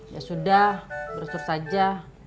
ya sudah brosur saja